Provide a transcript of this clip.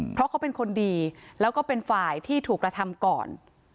เพราะเขาเป็นคนดีแล้วก็เป็นฝ่ายที่ถูกกระทำก่อน